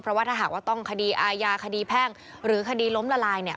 เพราะว่าถ้าหากว่าต้องคดีอาญาคดีแพ่งหรือคดีล้มละลายเนี่ย